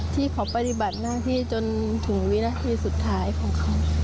ที่เขาปฏิบัติหน้าที่จนถึงวินาทีสุดท้ายของเขา